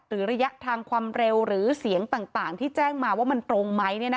ระยะทางความเร็วหรือเสียงต่างที่แจ้งมาว่ามันตรงไหม